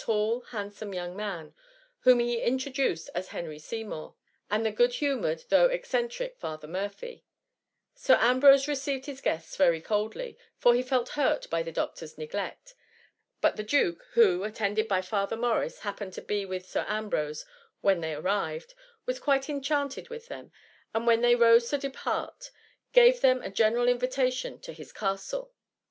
tall, handsome young man, whom he intro duced as Henry Seymour, and the good hu moured, though eccentric Father Murphy* Sir Ambrose received his guests very coldly, for he felt hurt by the doctor's neglect; but the Duke, who, attended by Father Morris, happened to be with Sir Ambrose when they arrived, was quite enchanted with them, and when they rose to depart, gave them a general invitation to his castle.